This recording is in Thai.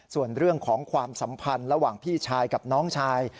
ส่วนเรื่องของความสัมพันธ์ระหว่างพี่ชายกับน้องชาย